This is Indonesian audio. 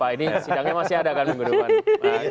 wah ini sidangnya masih ada kan minggu depan